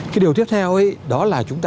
cái điều tiếp theo ấy đó là chúng ta